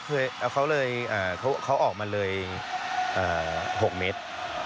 เพราะ้เขาออกมาเลย๖มิตร